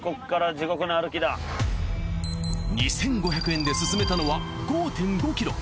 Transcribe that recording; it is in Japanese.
２，５００円で進めたのは５．５ｋｍ。